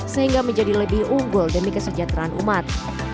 sehingga menjadi lebih unggul demi kesejahteraan umat